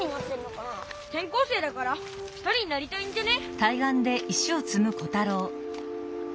てん校生だから１人になりたいんじゃね？